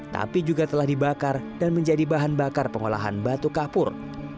tapi juga telah dibakar dan menjadi bahan bakar pengolahan batu kapur